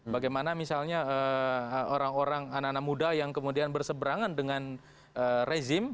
bagaimana misalnya orang orang anak anak muda yang kemudian berseberangan dengan rezim